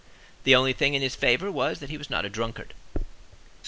The only thing in his favor was that he was a drunkard.